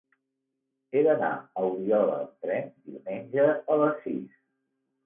He d'anar a Oriola amb tren diumenge a les sis.